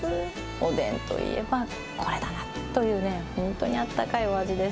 おでんといえばこれだなっというね、本当にあったかいお味です。